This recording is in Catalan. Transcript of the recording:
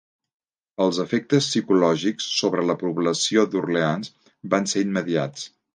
Els efectes psicològics sobre la població d'Orleans van ser immediats.